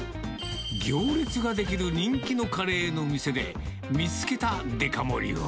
行列が出来る人気のカレーの店で、見つけたデカ盛りは。